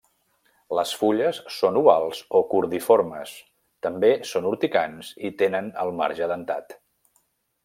Les fulles són ovals o cordiformes, també són urticants i tenen el marge dentat.